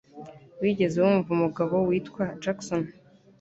Wigeze wumva umugabo witwa Jackson?